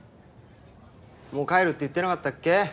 もう帰るって言ってなかったっけ？